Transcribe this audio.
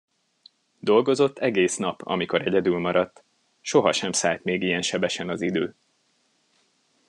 Dolgozott egész nap, amikor egyedül maradt; sohasem szállt még ilyen sebesen az idő.